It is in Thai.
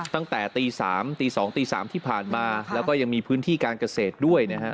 ตั้งแต่ตี๓ตี๒ตี๓ที่ผ่านมาแล้วก็ยังมีพื้นที่การเกษตรด้วยนะฮะ